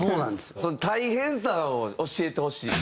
その大変さを教えてほしい。